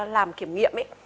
làm kiểm nghiệm